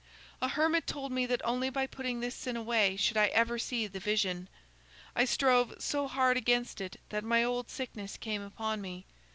A hermit told me that only by putting this sin away should I ever see the vision. I strove so hard against it that my old sickness came upon me.